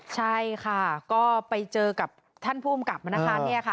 ใช่ค่ะก็ไปเจอกับท่านผู้อำกับมานะคะ